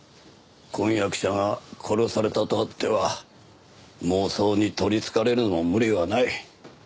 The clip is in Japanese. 婚約者が殺されたとあっては妄想に取りつかれるのも無理はない。